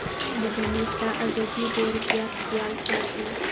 دضمير دازادي ډير زيات خيال ساتي